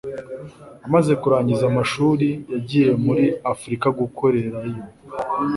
Amaze kurangiza amsshuri, yagiye muri Afurika gukorera yo.